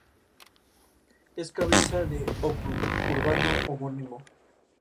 Es cabeza del ókrug urbano homónimo.